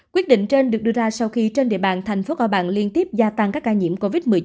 quyết định trên được đưa ra sau khi trên địa bàn tp cb liên tiếp gia tăng các ca nhiễm covid một mươi chín